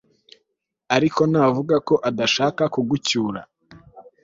ariko navuga ko adashaka kugucyura